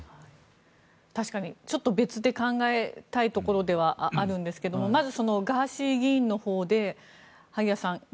確かに、ちょっと別で考えたいところではあるんですがまずガーシー議員のほうで萩谷さん